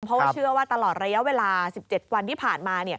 เพราะว่าเชื่อว่าตลอดระยะเวลา๑๗วันที่ผ่านมา